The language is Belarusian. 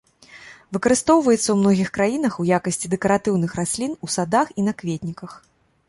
Выкарыстоўваецца ў многіх краінах у якасці дэкаратыўных раслін у садах і на кветніках.